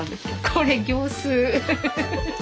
これ業スー。